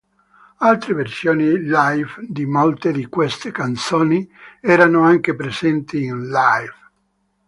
Altre versioni live di molte di queste canzoni erano anche presenti in "Live!